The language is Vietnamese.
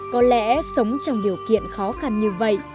có lẽ sống trong điều kiện khó khăn như vậy